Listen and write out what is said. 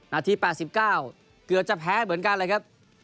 นาที๘๙เกือบจะแพ้เหมือนกันเลยครับ